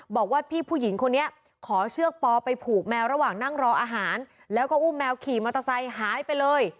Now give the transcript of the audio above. บอกว่าพี่ผู้หญิงคนนี้ขอเชือกปอไปผูกแมวระหว่างนั่งรออาหารแล้วก็อุ้มแมวขี่มอเตอร์ไซค์หายไปเลย